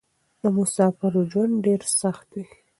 د مسافرو ژوند ډېر سخت وې.